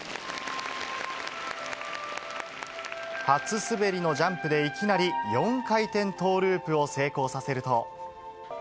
初滑りのジャンプでいきなり４回転トーループを成功させると。